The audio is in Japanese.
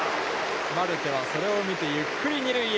マルテはそれを見て、ゆっくり二塁へ。